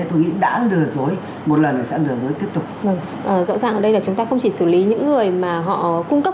tôi nghĩ đã lừa dối một lần nữa sẽ lừa dối tiếp tục rõ ràng ở đây là chúng ta không chỉ xử lý những người mà họ cung cấp